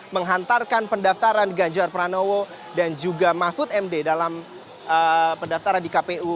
menghantarkan pendaftaran ganjar pranowo dan juga mahfud md dalam pendaftaran di kpu